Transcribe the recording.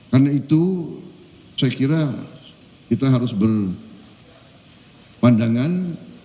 karena itu saya kira kita harus berpandangan